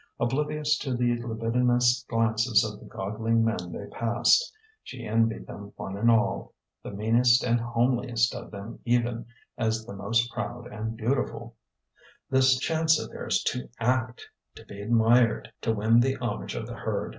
Oblivious to the libidinous glances of the goggling men they passed, she envied them one and all the meanest and homeliest of them even as the most proud and beautiful this chance of theirs to act, to be admired, to win the homage of the herd....